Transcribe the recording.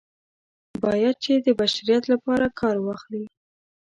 باید چې د بشریت لپاره کار واخلي.